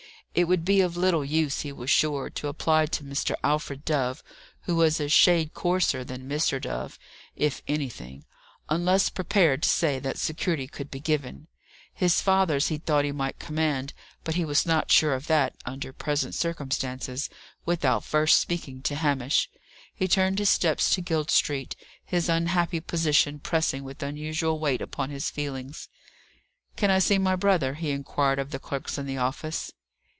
It would be of little use, he was sure, to apply to Mr. Alfred Dove who was a shade coarser than Mr. Dove, if anything unless prepared to say that security could be given. His father's he thought he might command: but he was not sure of that, under present circumstances, without first speaking to Hamish. He turned his steps to Guild Street, his unhappy position pressing with unusual weight upon his feelings. "Can I see my brother?" he inquired of the clerks in the office.